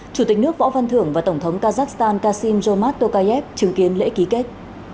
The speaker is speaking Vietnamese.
chủ tịch nước võ văn thưởng và tổng thống kazakhstan kasim zhomar tokayev chứng kiến lễ ký kết